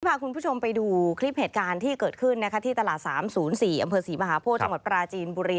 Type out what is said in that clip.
พาคุณผู้ชมไปดูคลิปเหตุการณ์ที่เกิดขึ้นที่ตลาด๓๐๔อำเภอศรีมหาโพธิจังหวัดปราจีนบุรี